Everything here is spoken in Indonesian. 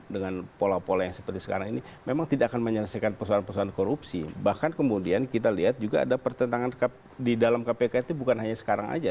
dengan pola pola yang seperti sekarang ini memang tidak akan menyelesaikan persoalan persoalan korupsi bahkan kemudian kita lihat juga ada pertentangan di dalam kpk itu bukan hanya sekarang saja